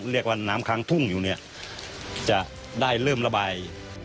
เรียกว่าน้ำค้างทุ่งอยู่เนี่ยจะได้เริ่มระบาย